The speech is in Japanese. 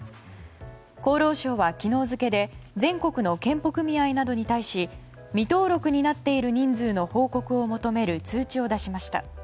厚労省は昨日付で全国の健保組合などに対し未登録になっている人数の報告を求める通知を出しました。